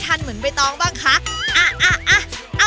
ชื่อขนมอะไรครับผม